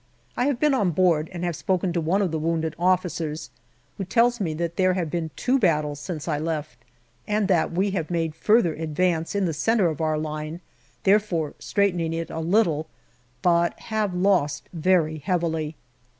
I have been on board and have spoken to one of the wounded officers, who tells me that there have been two battles since I left, and that we have made further advance, in the centre of our line, therefore straightening it a little, but have lost very heavily.